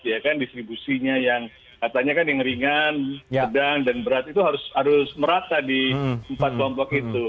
ya kan distribusinya yang katanya kan yang ringan sedang dan berat itu harus merata di empat kelompok itu